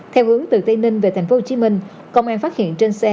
theo hướng từ tây ninh về tp hcm công an phát hiện trên xe